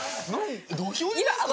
土俵入りですか？